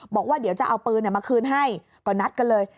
บอกว่าเดี๋ยวจะเอาปืนมาคืนให้ก็นัดกันเลย